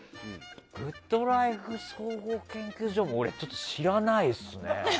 「グッドライフ総合研究所」も俺、知らないっすね。